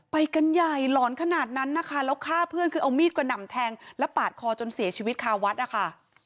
ไปกันใหญ่หลอนขนาดนั้นนะคะแล้วฆ่าเพื่อนคือเอามีดกระหน่ำแทงและปาดคอจนเสียชีวิตคาวัดนะคะ